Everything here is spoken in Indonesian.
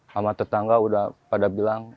sama tetangga udah pada bilang